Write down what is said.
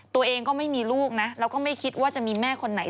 ตัวเองก็ไม่มีลูกนะแล้วก็ไม่คิดว่าจะมีแม่คนไหน